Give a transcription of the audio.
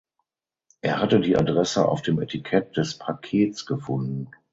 Er hatte die Adresse auf dem Etikett des Pakets gefunden.